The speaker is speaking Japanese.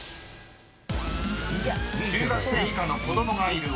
［中学生以下の子供がいる親］